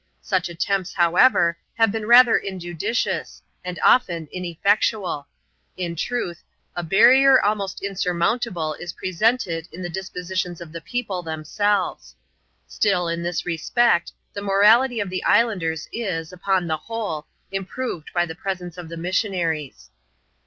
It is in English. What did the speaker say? Such attempts, however, have been rather injudicious, and often ineffectual: in truth, a barrier almost insurmountable is pre sented in the dispositions of the people themselves. Still, in this respect, the morality of the islanders is, upon the whole, improved by the presence of the missionaries.